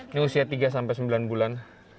ini usia tiga sampai sembilan bulan